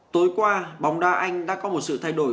tối qua bóng đá anh đã có một sự thay đổi